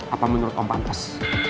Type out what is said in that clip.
apa menurut om pantas